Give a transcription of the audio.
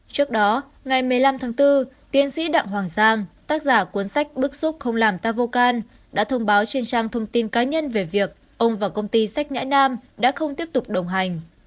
trước đó ngày một mươi năm tháng bốn tiên sĩ đặng hoàng giang tác giả cuốn sách bức xúc không làm ta vô can đã thông báo trên trang thông tin cá nhân về việc ông và công ty sách nhãn nam đã không tiếp tục đồng hành